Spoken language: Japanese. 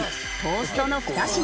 トーストの２品。